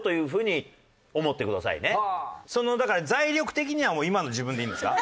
そのだから財力的には今の自分でいいんですか？